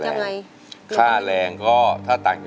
สวัสดีครับคุณหน่อย